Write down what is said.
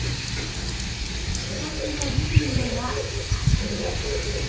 自宅のリビングがアトリエ。